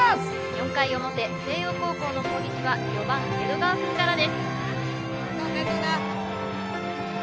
４回表星葉高校の攻撃は４番江戸川くんからです